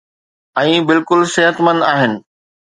۽ بلڪل صحتمند آهن.